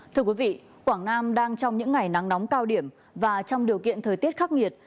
thưa quý vị quảng nam đang trong những ngày nắng nóng cao điểm và trong điều kiện thời tiết khắc nghiệt